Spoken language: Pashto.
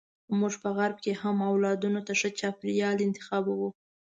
موږ په غرب کې هم اولادونو ته ښه چاپیریال انتخابوو.